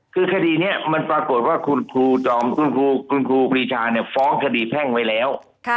คือคดีนี้มันปรากฏว่าคุณครูปริชาฟ้องคดีแพ่งไว้แล้ว